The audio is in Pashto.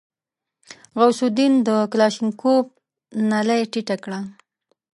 غوث الدين د کلاشينکوف نلۍ ټيټه کړه.